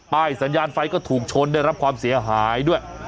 สัญญาณไฟก็ถูกชนได้รับความเสียหายด้วย